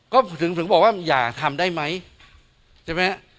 ก็ถึงบอกว่าอย่าทำได้ไหมใช่ไหม